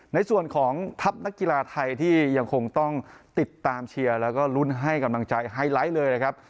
ในส่วนของทัพนักกีฬาไทยที่ยังคงต้องติดตามเชียร์แล้วก็ลุ้นให้กำลังใจไฮไลท์เลยนะครับ